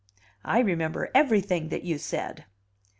"I remember everything that you said."